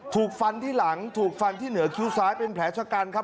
ถูกฟันที่หลังถูกฟันที่เหนือคิ้วซ้ายเป็นแผลชะกันครับ